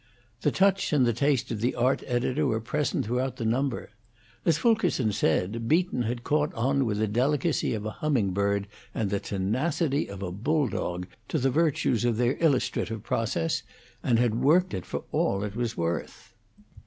The touch and the taste of the art editor were present throughout the number. As Fulkerson said, Beaton had caught on with the delicacy of a humming bird and the tenacity of a bulldog to the virtues of their illustrative process, and had worked it for all it was worth.